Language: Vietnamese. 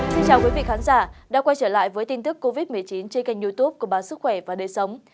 chào các khán giả đã quay trở lại với tin tức covid một mươi chín trên kênh youtube của bản sức khỏe và đời sống